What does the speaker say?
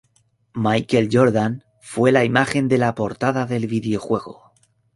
Michael Jordan fue la imagen de la portada del videojuego.